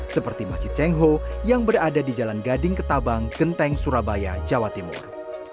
seperti masjid cengho yang berada di jalan gading ketabang genteng surabaya jawa timur